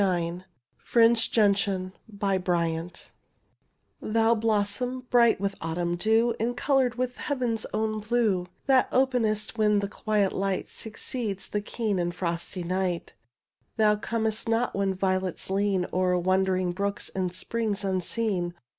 '^ FRINGED GENTIAN Tliou blossom, bright with autumn dew, And coloured with heaven's own blue, That openest when the quiet light Succeeds the keen and frosty night: Thou comest not when violets lean O'er wandering brooks and springs unseen.